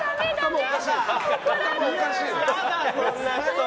おかしい。